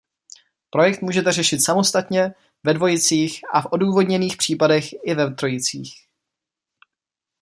Projekt můžete řešit samostatně, ve dvojicích a v odůvodněných případech i ve trojicích.